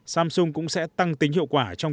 samsung cũng sẽ tăng tính hiệu quả